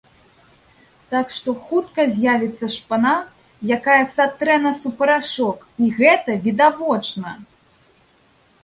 Так што, хутка з'явіцца шпана, якая сатрэ нас у парашок, і гэта відавочна!